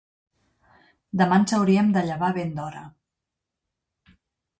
Demà ens hauríem de llevar ben d'hora.